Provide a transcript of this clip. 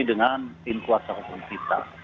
dengan tim kuasa hukum kita